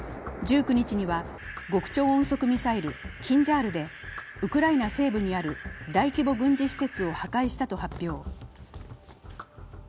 １９日には極超音速ミサイル、キンジャールでウクライナ西部にある大規模軍事施設を破壊したと発表。